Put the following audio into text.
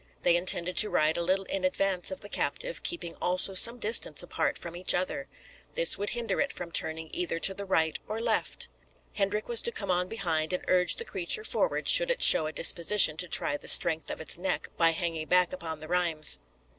They intended to ride a little in advance of the captive, keeping also some distance apart from each other. This would hinder it from turning either to the right or left. Hendrik was to come on behind and urge the creature forward, should it show a disposition to try the strength of its neck by hanging back upon the rheims.